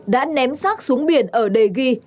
đã ném sát xuống biển ở đề ghi